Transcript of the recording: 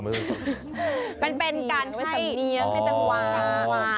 มันเป็นการให้สมเนี๊ยมให้จะกวา